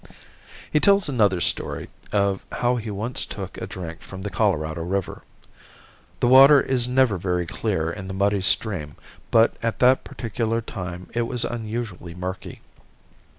He tells another story of how he once took a drink from the Colorado river. The water is never very clear in the muddy stream but at that particular time it was unusually murky.